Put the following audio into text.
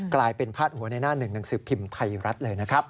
กลายเป็นพาดหัวในหน้าหนึ่งหนังสือพิมพ์ไทยรัฐเลยนะครับ